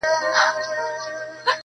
o چيټ که د بل دئ، بدن خو دي خپل دئ.